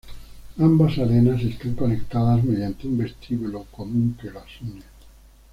Ambas arenas están conectadas mediante un vestíbulo común que las une.